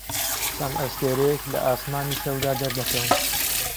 چەند ئەستێرەیەک لە ئاسمانی شەودا دەردەکەون.